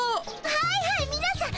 はいはいみなさん